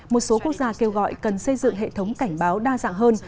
một số quốc gia kêu gọi cần xây dựng hệ thống cảnh báo đa dạng hơn